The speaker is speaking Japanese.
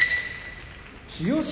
千代翔